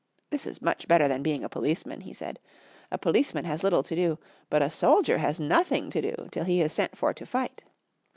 "This is much better than being a policeman," he said, "a policeman has little to do, but a soldier has nothing to do till he is sent for to fight.